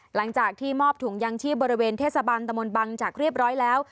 หลังจากที่มอบถุงยางชีพบริเวณเทศบาลตะมนต์บังจากเรียบร้อยแล้ว